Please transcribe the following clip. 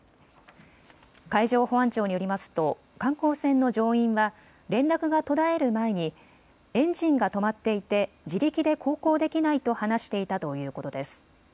海上保安庁によりますと観光船の乗員は連絡が途絶える前にエンジンが止まっていて自力で航行できないと話していたということです。